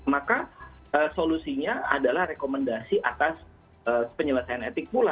maka solusinya adalah rekomendasi atas penyelesaian etik pula